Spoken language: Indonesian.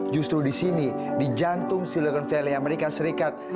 justru di sini di jantung silicon valley amerika serikat